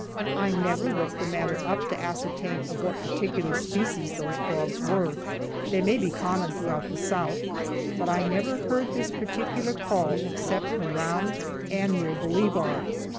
I never looked the matter up to ascertain of what particular species those frogs were. They may be common throughout the South, but I never heard this particular call except around and near Bolivar.